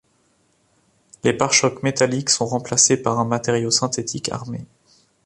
Les pare-chocs métalliques sont remplacés par un matériau synthétique armé.